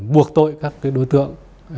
buộc tội các đối tượng